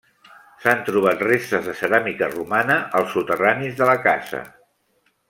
S'han trobat restes de ceràmica romana als soterranis de la casa.